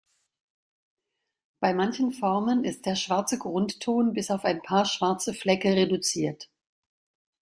Bei manchen Formen ist der schwarze Grundton bis auf ein paar schwarze Flecke reduziert.